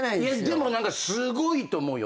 でも何かすごいと思うよ。